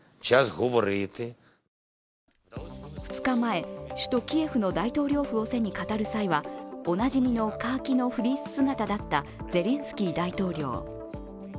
２日前、首都キエフの大統領府を背に語る際は、おなじみのカーキのフリース姿だったゼレンスキー大統領。